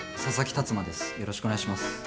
佐々木辰馬です。